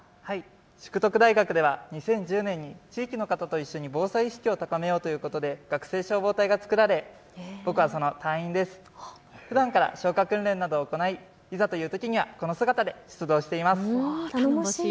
淑徳大学では２０１０年に地域の方と一緒に防災意識を高めようということで学生消防隊が作られ僕はその隊員です。ふだんから消火訓練などを行いいざというときにはこの姿で出動しています。